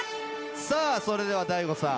さあそれではＤＡＩＧＯさん